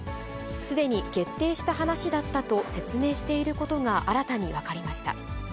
すでに決定した話だったと説明していることが新たに分かりました。